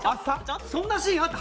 そんなシーンあった？